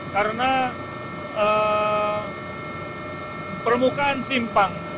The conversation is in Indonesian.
karena permukaan simpang